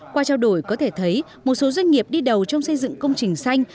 qua trao đổi có thể thấy một số doanh nghiệp đi đầu trong xây dựng công trình xanh